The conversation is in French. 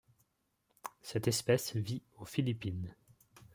Cette espèce vit aux Philippines.